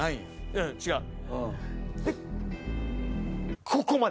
うん違う。